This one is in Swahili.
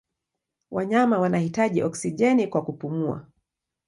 Wanyama wanahitaji oksijeni kwa kupumua.